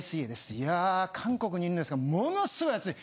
いや韓国にいるんですがものすごい暑い。